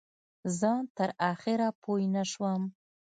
زه تر آخره پوی نه شوم.